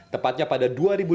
tepatnya pada dua ribu lima belas